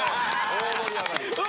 大盛り上がり！